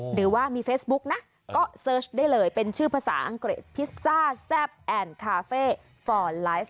หรือว่ามีเฟซบุ๊กนะก็เสิร์ชได้เลยเป็นชื่อภาษาอังกฤษพิซซ่าแซ่บแอนด์คาเฟ่ฟอร์นไลฟ์